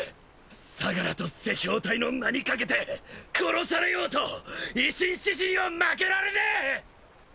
「相楽」と「赤報隊」の名に懸けて殺されようと維新志士には負けられねえ！